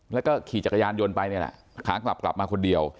แล้วก็ขี่จักรยานยนต์ไปนี่แหละขากลับกลับมาคนเดียว